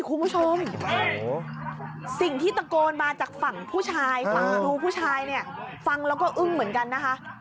คุณผู้ชมสิ่งที่ตะโกนมาจากฝั่งผู้ชายฝั่งครูผู้ชายเนี่ยฟังแล้วก็อึ้งเหมือนกันนะคะ